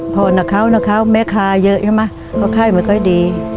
พอนะเขานะเขาแม้คาเยอะใช่ไหมเขาไข้มันก็ดี